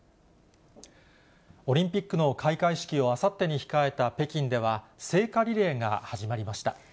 オリンピックの開会式をあさってに控えた北京では、聖火リレーが始まりました。